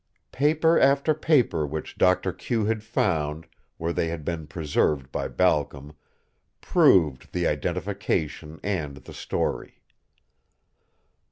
Paper after paper which Doctor Q had found, where they had been preserved by Balcom, proved the identification and the story.